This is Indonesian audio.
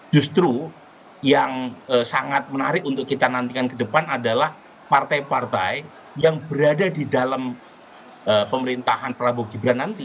justru yang sangat menarik untuk kita nantikan ke depan adalah partai partai yang berada di dalam pemerintahan prabowo gibran nanti